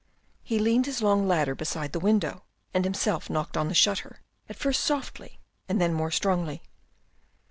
He leaned his long ladder beside the window, and himself knocked on the shutter, at first softly, and then more strongly.